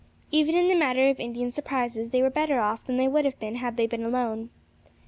Even in the matter of Indian surprises they were better off than they would have been had they been alone.